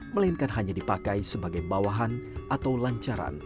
melainkan hanya dipakai sebagai bawahan atau lancaran